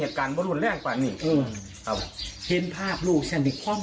เหตุการณ์บ่รุนแรกกว่านี้เออครับเพลงภาพลูกแสดงมีความ